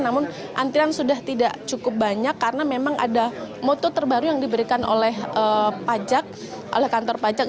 namun antrian sudah tidak cukup banyak karena memang ada moto terbaru yang diberikan oleh pajak oleh kantor pajak